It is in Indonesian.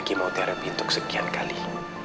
kimoterapi untuk sekian kali